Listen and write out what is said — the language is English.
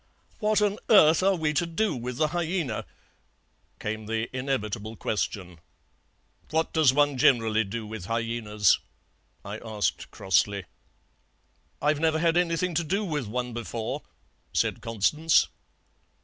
"'What on earth are we to do with the hyaena?' came the inevitable question. "'What does one generally do with hyaenas?' I asked crossly. "'I've never had anything to do with one before,' said Constance.